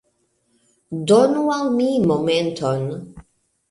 Donu al mi momenton!